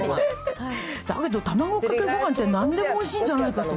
だけど卵かけごはんって、なんでもおいしいんじゃないかと。